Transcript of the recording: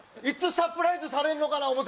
いつサプライズされんのかな